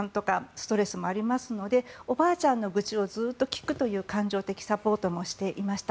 ストレスもありますのでおばあちゃんの愚痴をずっと聞くという感情的サポートもしていました。